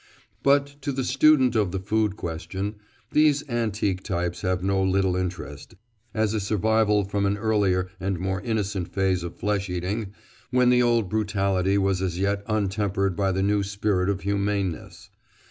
But to the student of the food question these antique types have no little interest, as a survival from an earlier and more innocent phase of flesh eating when the old brutality was as yet untempered by the new spirit of humaneness.